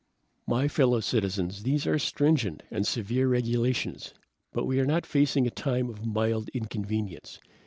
"My fellow citizens, these are stringent and severe regulations, but we are not facing a time of mild inconvenience.